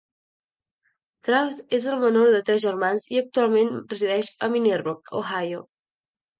Trauth és el menor de tres germans i actualment resideix a Minerva, Ohio.